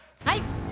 はい！